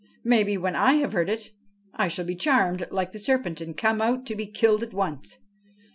Maybe, when I have heard it, I shall be charmed, like the serpent, and come out to be killed at once.